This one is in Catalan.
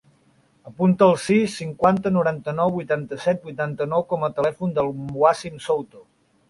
Apunta el sis, cinquanta, noranta-nou, vuitanta-set, vuitanta-nou com a telèfon del Wassim Souto.